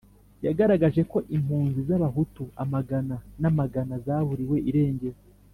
yagaragaje ko impunzi z'abahutu amagana n'amagana zaburiwe irengero